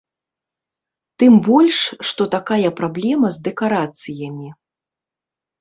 Тым больш, што такая праблема з дэкарацыямі.